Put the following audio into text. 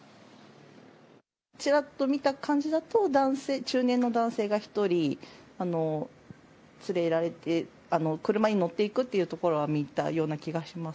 ちらっと見た感じだと中年の男性が１人連れられて車に乗っていくというところは見たような気がします。